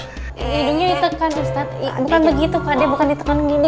hidungnya ditekan ustadz bukan begitu pak dia bukan ditekan gini